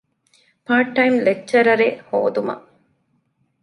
ޕާޓް ޓައިމް ލެކްޗަރަރެއް ހޯދުމަށް